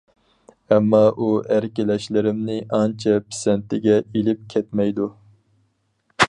ئەمما ئۇ ئەركىلەشلىرىمنى ئانچە پىسەنتىگە ئىلىپ كەتمەيدۇ.